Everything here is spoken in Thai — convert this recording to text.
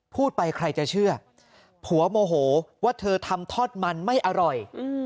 พูดไปใครจะเชื่อผัวโมโหว่าเธอทำทอดมันไม่อร่อย